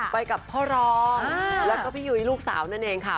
ไปกับพ่อรองแล้วก็พี่ยุ้ยลูกสาวนั่นเองค่ะ